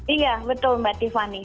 iya betul mbak tiffany